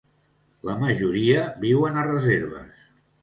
La majoria viuen a reserves.